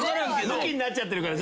むきになっちゃってるから。